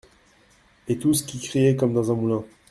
Et tous qui criez comme dans un moulin !